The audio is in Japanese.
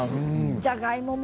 じゃがいも